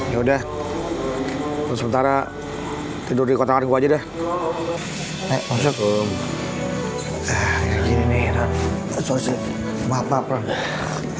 ya udah lu sementara tidur di kotak aja deh